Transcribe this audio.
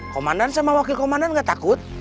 komandan sama wakil komandan gak takut